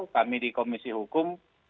kami di komisi hukum